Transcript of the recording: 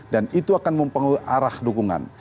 dan itu akan mempengaruhi arah dukungan